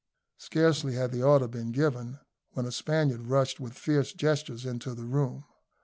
Scarcely had the order been given when a Spaniard rushed with fierce gestures into the room.